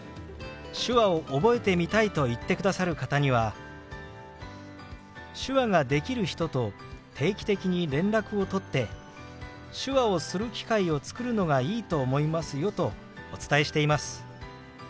手話を覚えてみたいと言ってくださる方には「手話ができる人と定期的に連絡を取って手話をする機会を作るのがいいと思いますよ」とお伝えしています。